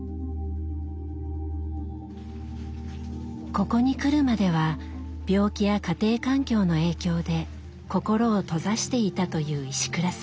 ここに来るまでは病気や家庭環境の影響で心を閉ざしていたという石倉さん。